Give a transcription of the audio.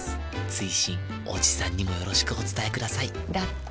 追伸おじさんにもよろしくお伝えくださいだって。